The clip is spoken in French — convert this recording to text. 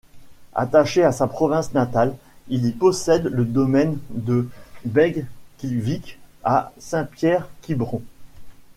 Attaché à sa province natale, il y possède le domaine de Beg-Quilvic à Saint-Pierre-Quiberon.